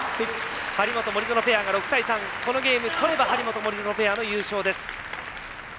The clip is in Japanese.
張本、森薗ペアが６対３このゲーム、取れば張本、森薗ペアの優勝です。